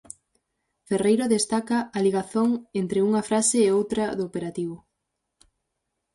Ferreiro destaca a ligazón entre unha fase e outra do operativo.